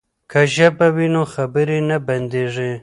که ژبه وي نو خبرې نه بندیږي.